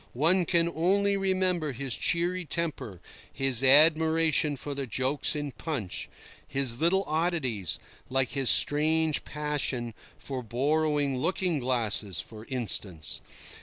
One can only remember his cheery temper, his admiration for the jokes in Punch, his little oddities—like his strange passion for borrowing looking glasses, for instance.